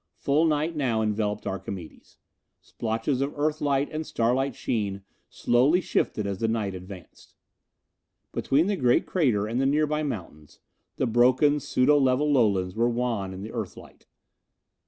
Full night now enveloped Archimedes. Splotches of Earth light and starlight sheen slowly shifted as the night advanced. Between the great crater and the nearby mountains, the broken, pseudo level lowlands lay wan in the Earth light.